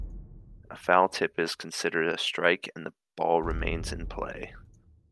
A foul tip is considered a strike and the ball remains in play.